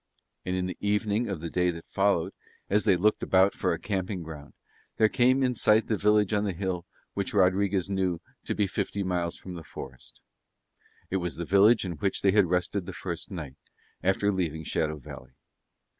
And in the evening of the day that followed that, as they looked about for a camping ground, there came in sight the village on the hill which Rodriguez knew to be fifty miles from the forest: it was the village in which they had rested the first night after leaving Shadow Valley.